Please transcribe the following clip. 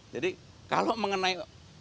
jadi kalau mengenai